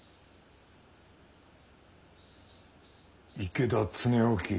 池田恒興